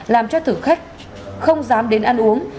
làm cho thử khách không dám đến ăn uống